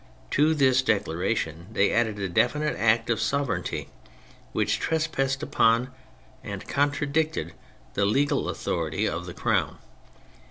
To this declaration they added a definite act of sovereignty which trespassed upon and con tradicted the legal authority of the Crown.